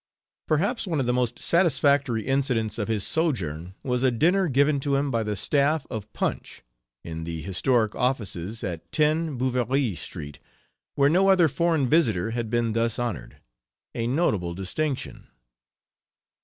Perhaps one of the most satisfactory incidents of his sojourn was a dinner given to him by the staff of Punch, in the historic offices at 10 Bouverie Street where no other foreign visitor had been thus honored a notable distinction.